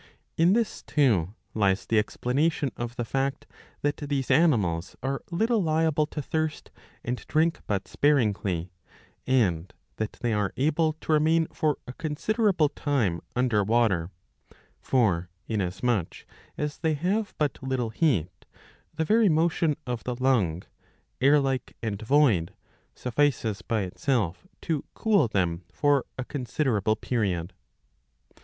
In this too lies the explanation of the fact that these animals are little liable to thirst and ^^ drink but sparingly, and that they are able to remain for a considerable time under water,^^ For, inasmuch as they have but little heat,^' the very motion of the lung, airlike and void, suffices by itself to cool them for a considerable period.